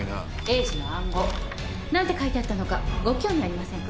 「栄治の暗号何て書いてあったのかご興味ありませんか？」